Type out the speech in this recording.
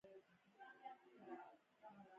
نوي نومونه د وینز د اشرافو په ډله کې نه وو.